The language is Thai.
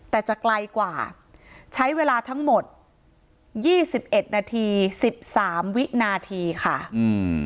แต่จะไกลกว่าใช้เวลาทั้งหมดยี่สิบเอ็ดนาทีสิบสามวินาทีค่ะอืม